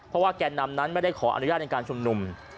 เพราะว่าแก่นำนั้นไม่ได้ขออนุญาตในการชุมนุม